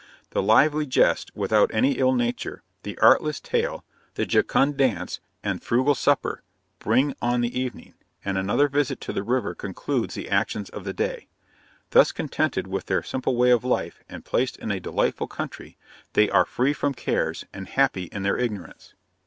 The lively jest, without any ill nature, the artless tale, the jocund dance and frugal supper, bring on the evening; and another visit to the river concludes the actions of the day. Thus contented with their simple way of life, and placed in a delightful country, they are free from cares, and happy in their ignorance.'